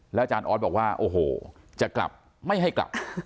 อาจารย์ออสบอกว่าโอ้โหจะกลับไม่ให้กลับ